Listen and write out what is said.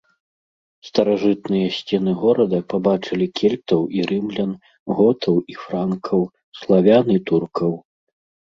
Старажытныя сцены горада пабачылі кельтаў і рымлян, готаў і франкаў, славян і туркаў.